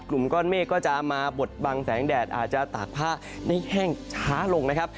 กลุ่มก้อนเมฆก็จะมาบดบังแสงแดดอาจจะตากผ้าได้แห้งช้าลงนะครับ